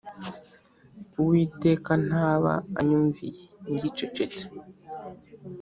Uwiteka ntaba anyumviye Ngicecetse,